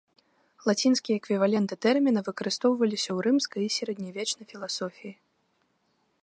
Лацінскія эквіваленты тэрміна выкарыстоўваліся ў рымскай і сярэднявечнай філасофіі.